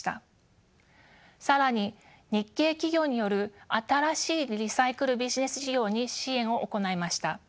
更に日系企業による新しいリサイクルビジネス事業に支援を行いました。